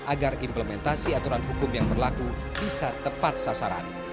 agar implementasi aturan hukum yang berlaku bisa tepat sasaran